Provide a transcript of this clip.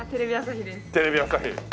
テレビ朝日です。